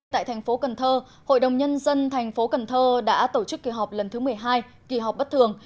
tại thành phố cần thơ hội đồng nhân dân thành phố cần thơ đã tổ chức kỳ họp lần thứ một mươi hai kỳ họp bất thường